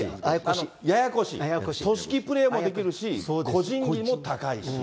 ややこしい？組織プレーもできるし、個人技も高いし。